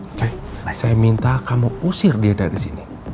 oke saya minta kamu usir dia dari sini